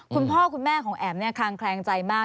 คุณพ่อคุณแม่ของแอ๋มคางแคลงใจมาก